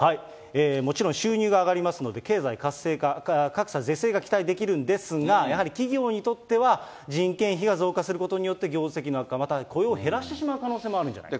もちろん、収入がありますので、経済活性化、格差是正が期待できるんですが、企業にとっては人件費が増加することによって、業績の悪化、また雇用を減らしてしまう可能性もあるんじゃないか。